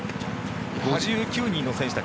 ５９人の選手たち。